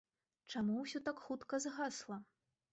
Чаму ўсё так хутка згасла?